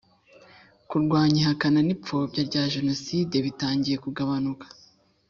kurwanya ihakana n ipfobya rya genoside bitangiye kugabunuka